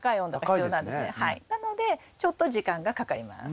なのでちょっと時間がかかります。